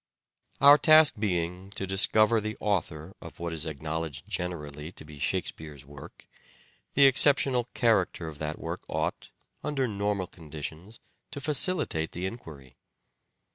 Our task being to discover the author of what is " Shake acknowledged generally to be Shakespeare's work, the exceptional character of that work ought, under ment normal conditions, to facilitate the enquiry.